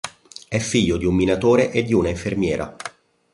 È figlio di un minatore e di una infermiera.